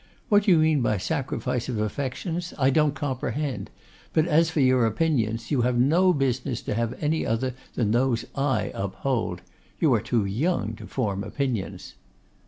What you mean by sacrifice of affections, I don't comprehend; but as for your opinions, you have no business to have any other than those I uphold. You are too young to form opinions.